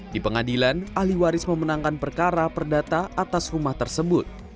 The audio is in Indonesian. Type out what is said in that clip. di pengadilan ahli waris memenangkan perkara perdata atas rumah tersebut